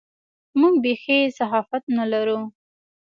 موږ بېخي صحافت نه لرو.